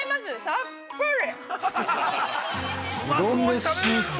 さっぱり！